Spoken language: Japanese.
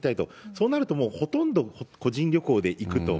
そうなると、もうほとんど個人旅行で行くと。